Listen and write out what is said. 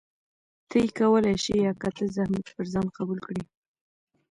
ته يې کولى شې يا که ته زحمت پر ځان قبول کړي؟